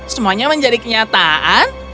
semuanya menjadi kenyataan